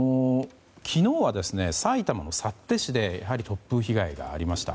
昨日は埼玉の幸手市でやはり突風被害がありました。